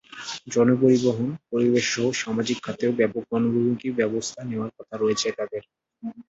জনপরিবহন, পরিবেশসহ সামাজিক খাতেও ব্যাপক গণমুখী ব্যবস্থা নেওয়ার কথা রয়েছে তাদের।